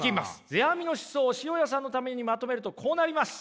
世阿弥の思想を塩屋さんのためにまとめるとこうなります。